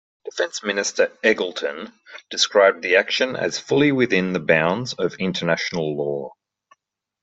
Defence Minister Eggleton described the action as fully within the bounds of international law.